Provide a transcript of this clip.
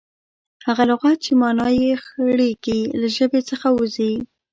هغه لغت، چي مانا ئې خړېږي، له ژبي څخه وځي.